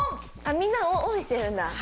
みんながオンしてるんだ。